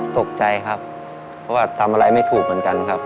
ตกใจครับเพราะว่าทำอะไรไม่ถูกเหมือนกันครับ